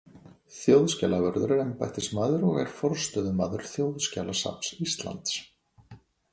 Þjóðskjalavörður er embættismaður og er forstöðumaður Þjóðskjalasafns Íslands.